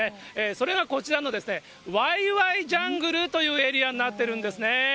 それがこちらのわいわいジャングルというエリアになってるんですね。